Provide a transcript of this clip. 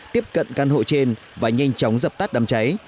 tiếp cận căn hộ trên và nhanh chóng dập tắt đám cháy